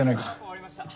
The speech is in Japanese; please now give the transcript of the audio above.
終わりました。